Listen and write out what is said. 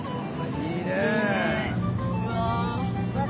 いいね。